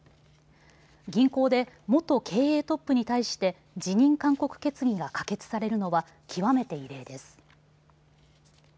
銀行で元経営トップに対して辞任勧告決議が可決されるのは極めて異例です。